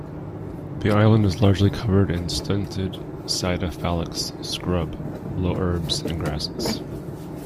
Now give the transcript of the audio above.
The island is largely covered in stunted "Sida fallax" scrub, low herbs and grasses.